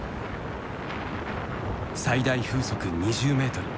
最大風速２０メートル。